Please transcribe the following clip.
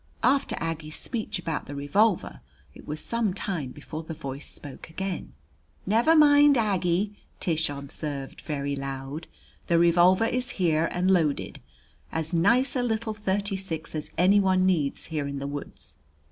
After Aggie's speech about the revolver it was some time before the voice spoke again. "Never mind, Aggie," Tish observed, very loud. "The revolver is here and loaded as nice a little thirty six as any one needs here in the woods."